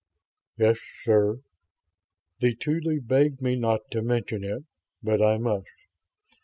"Yes, sir. The Tuly begged me not to mention it, but I must.